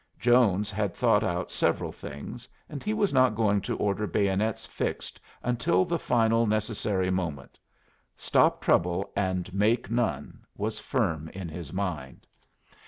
Jones had thought out several things, and he was not going to order bayonets fixed until the final necessary moment. "Stop trouble and make none" was firm in his mind.